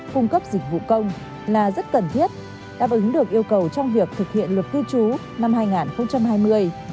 cung cấp dịch vụ công là rất cần thiết đáp ứng được yêu cầu trong việc thực hiện luật cư trú năm hai nghìn hai mươi